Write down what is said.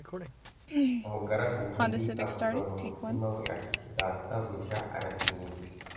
Umugaragu mubi avuga mu mutima we ati: "Databuja aratinze."